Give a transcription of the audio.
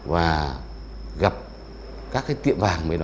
và gặp các tiệm vàng với nó để xem đối tượng này